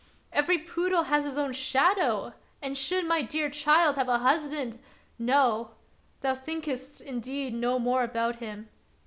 every poodle has his own shadow! and should my dear child have a husband — no! thou thinkest, indeed, no more about him.